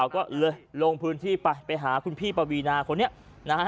ก็เลยลงพื้นที่ไปไปหาคุณพี่ปวีนาคนนี้นะฮะ